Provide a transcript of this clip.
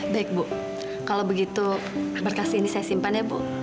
baik bu kalau begitu berkas ini saya simpan ya bu